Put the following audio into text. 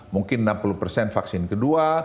mungkin enam puluh vaksin kedua